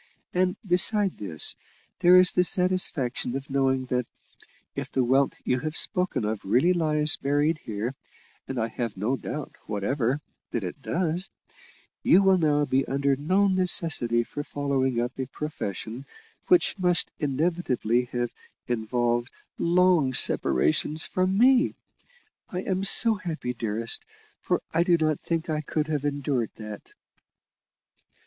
And, beside this, there is the satisfaction of knowing that, if the wealth you have spoken of really lies buried here, and I have no doubt whatever that it does, you will now be under no necessity for following up a profession which must inevitably have involved long separations from me. I am so happy, dearest, for I do not think I could have endured that."